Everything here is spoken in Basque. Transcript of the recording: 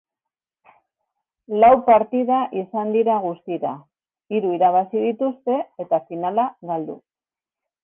Lau partida izan dira guztira, hiru irabazi dituzte, eta finala galdu.